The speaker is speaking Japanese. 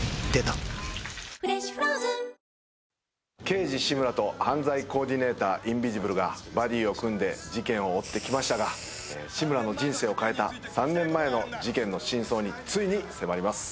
刑事志村と犯罪コーディネーターインビジブルがバディを組んで事件を追ってきましたが志村の人生を変えた３年前の事件の真相についに迫ります